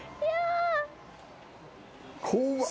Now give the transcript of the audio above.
怖っ。